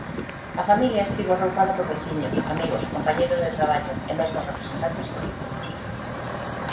A familia estivo arroupada por veciños, amigos, compañeiros de traballo, e mesmo representantes políticos.